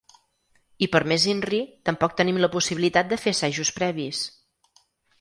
I per més inri, tampoc tenim la possibilitat de fer assajos previs.